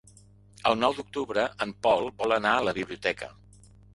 El nou d'octubre en Pol vol anar a la biblioteca.